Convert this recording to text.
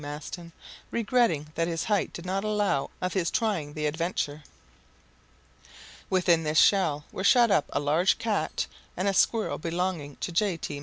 Maston, regretting that his height did not allow of his trying the adventure. Within this shell were shut up a large cat, and a squirrel belonging to J. T.